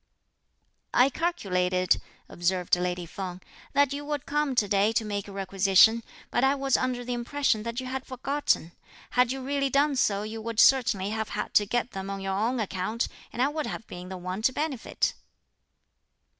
"I calculated," observed lady Feng, "that you would come to day to make requisition, but I was under the impression that you had forgotten; had you really done so you would certainly have had to get them on your own account, and I would have been the one to benefit."